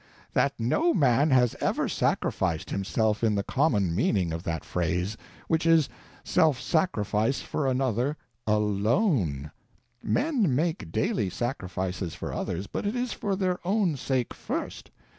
That no man has ever sacrificed himself in the common meaning of that phrase—which is, self sacrifice for another alone. Men make daily sacrifices for others, but it is for their own sake first.